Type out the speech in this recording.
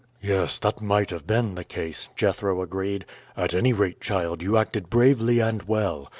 "Yes, that might have been the case," Jethro agreed. "At any rate, child, you acted bravely and well.